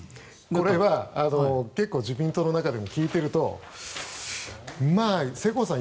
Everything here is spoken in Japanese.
これは、自民党の中でも聞いていると世耕さん